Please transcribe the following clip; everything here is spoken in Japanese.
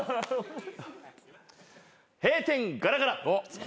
閉店ガラガラ。